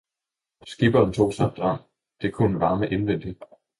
Skipperen tog sig en Dram det kunde varme indvendig!